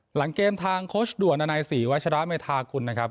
หลังเกมทางโคชด่วนอันไหน๔วัชราบเมธาคุณนะครับ